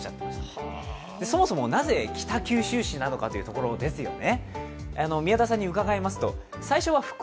そもそもなぜ北九州市なのかというところですよね。